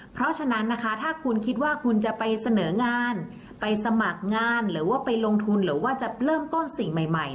เพราะฉะนั้นนะคะถ้าคุณคิดว่าคุณจะไปเสนองานไปสมัครงานหรือว่าไปลงทุนหรือว่าจะเริ่มต้นสิ่งใหม่